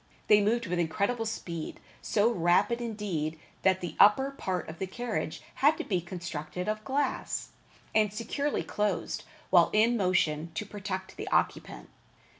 They moved with incredible speed, so rapid indeed, that the upper part of the carriage had to be constructed of glass, and securely closed while in motion, to protect the occupant.